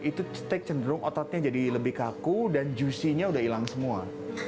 itu steak cenderung ototnya jadi lebih kaku dan juicy nya udah hilang semua